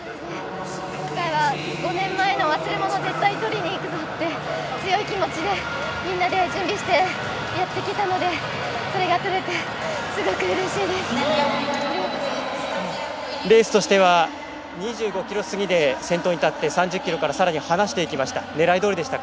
今回は、５年前の忘れ物を絶対に取りに行くぞ！って強い気持ちでみんなで準備してやってきたので、それが取れてレースとしては２５ｋｍ過ぎで先頭に立って、３０ｋｍからさらに離していきました。